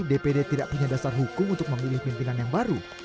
dpd tidak punya dasar hukum untuk memilih pimpinan yang baru